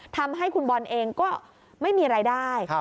ทำให้คุณบอลเองก็ไม่มีรายได้